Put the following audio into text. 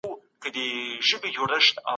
اقتصاد پوهان د وضعیت په اړه اندېښمن دي.